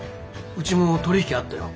うちも取り引きあったよ。